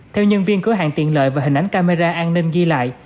theo nhân viên cửa hàng tiện lợi và hình ảnh camera an ninh ghi lại